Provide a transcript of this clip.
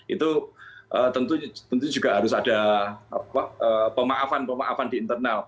itu tentu juga harus ada pemaafan pemaafan di internal